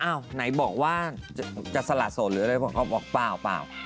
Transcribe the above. ไหนบอกว่าจะสละโสดหรืออะไรเขาบอกเปล่า